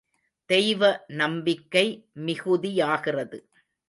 தெய்வ நம்பிக்கை மிகுதியாகிறது.